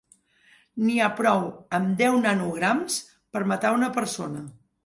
N'hi ha prou amb deu nanograms per matar una persona.